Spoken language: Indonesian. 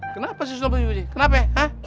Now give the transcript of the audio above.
kenapa sih kenapa